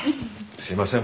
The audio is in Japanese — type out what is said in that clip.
すいません。